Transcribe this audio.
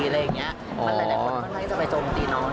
มันหลายคนก็น่าจะไปโชว์มูติน้อง